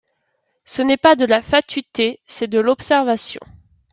Ce n’est pas de la fatuité, c’est de l’observation.